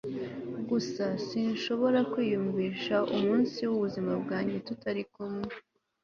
Gusa sinshobora kwiyumvisha umunsi wubuzima bwanjye tutari kumwe